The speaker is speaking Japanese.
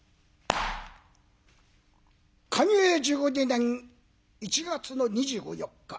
寛永１２年１月の２４日。